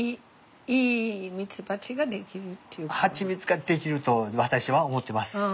ハチミツが出来ると私は思ってます。